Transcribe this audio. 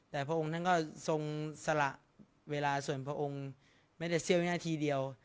แต่พระองค์ท่านก็ทรงสละเวลาส่วนพระองค์ไม่ได้เซียวอย่างหน้าทีเดียว